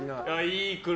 いい車！